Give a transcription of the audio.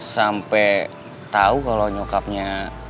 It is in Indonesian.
sampai tau kalo nyokapnya